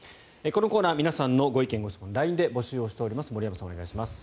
このコーナー皆さんのご意見・ご質問をＬＩＮＥで募集しております。